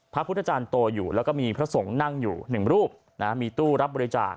พระพุทธจารย์โตอยู่แล้วก็มีพระสงฆ์นั่งอยู่หนึ่งรูปมีตู้รับบริจาค